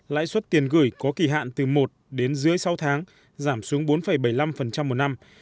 lãi suất tiền gửi có kỳ hạn từ một đến dưới sáu tháng giảm xuống bốn bảy mươi năm một năm